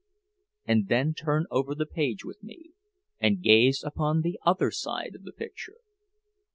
And then turn over the page with me, and gaze upon the other side of the picture.